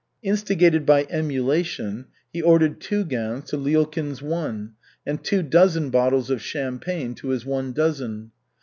Instigated by emulation, he ordered two gowns to Lyulkin's one, and two dozen bottles of champagne to his one dozen.